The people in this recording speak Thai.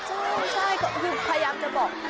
ใช่ค่อยค่อยค่อยพยายามจะบอก